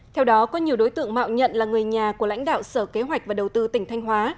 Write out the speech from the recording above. theo đó có nhiều đối tượng mạo nhận là người nhà của lãnh đạo sở kế hoạch và đầu tư tỉnh thanh hóa